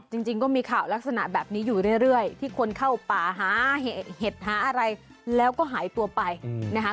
จริงก็มีข่าวลักษณะแบบนี้อยู่เรื่อยที่คนเข้าป่าหาเห็ดหาอะไรแล้วก็หายตัวไปนะคะ